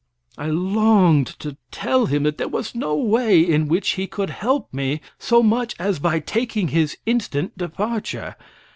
I longed to tell him that there was no way in which he could help me so much as by taking his instant departure.